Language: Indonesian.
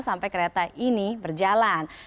sampai kereta ini berjalan